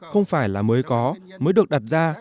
không phải là mới có mới được đặt ra